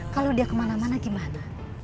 kalau dia kemana mana gimana